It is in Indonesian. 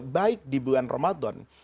baik di bulan ramadhan